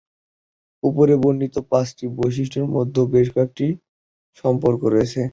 উপরে বর্ণিত পাঁচটি বৈশিষ্ট্যের মধ্যে বেশ কয়েকটি সম্পর্ক রয়েছে।